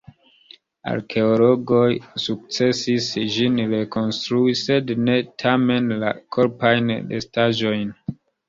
Arkeologoj sukcesis ĝin rekonstrui, sed ne, tamen, la korpajn restaĵojn.